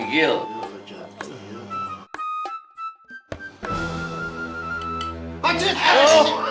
ini mah itu